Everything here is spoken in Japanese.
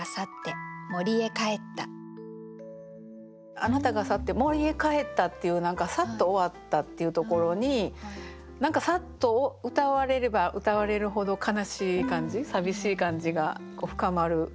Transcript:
「あなたが去って森へ帰った」っていう何かサッと終わったっていうところに何かサッとうたわれればうたわれるほど悲しい感じ寂しい感じが深まる。